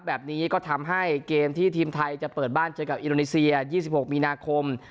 แบบนี้ก็ทำให้เกมที่ทีมไทยจะเปิดบ้านเจอกับอินโดนีเซีย๒๖มีนาคม